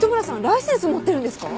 ライセンス持ってるんですか？